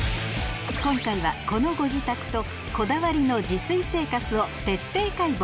今回はこのご自宅とこだわりの自炊生活を徹底解剖